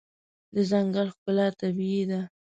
د ځنګل ښکلا طبیعي ده.